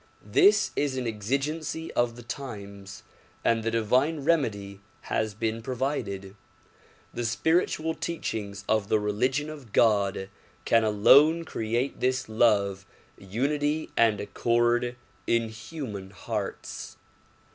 This is an exigency of the times and the divine remedy has been provided. The spiritual teachings of the religion of God can alone create this love, unity and accord in human hearts.